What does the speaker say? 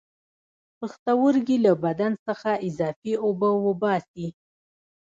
پښتورګي له بدن څخه اضافي اوبه وباسي